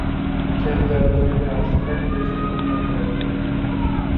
Cel de-al doilea aspect este următorul.